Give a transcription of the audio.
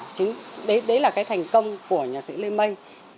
chính đấy là cái thành công của nhạc sĩ lê mây